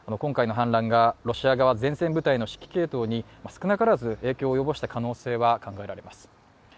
今回の反乱がロシア側前線部隊の指揮系統に影響を及ぼした可能性はあります。